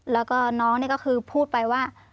แล้วก็น้องนี่ก็คือพูดไปว่า